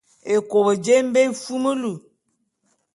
Ékop jé e mbe éfumulu.